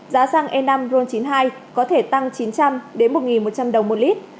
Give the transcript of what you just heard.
giá xăng e năm ron chín mươi hai có thể tăng chín trăm linh đến một một trăm linh đồng một lít